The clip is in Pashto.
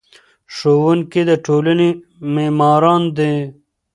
ښوونکي د ټولنې معماران دي.